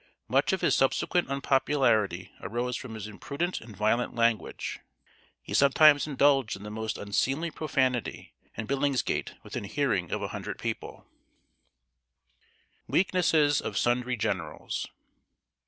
Much of his subsequent unpopularity arose from his imprudent and violent language. He sometimes indulged in the most unseemly profanity and billingsgate within hearing of a hundred people. [Sidenote: WEAKNESSES OF SUNDRY GENERALS.